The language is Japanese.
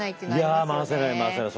いや回せない回せない。